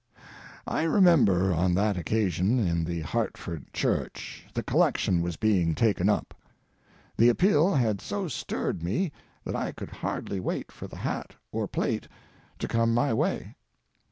I remember on that occasion in the Hartford church the collection was being taken up. The appeal had so stirred me that I could hardly wait for the hat or plate to come my way.